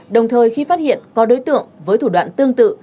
đồng thời khi phát hiện có đối tượng với thủ đoạn tương tự